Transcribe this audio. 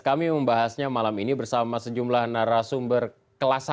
kami membahasnya malam ini bersama sejumlah narasumber kelas satu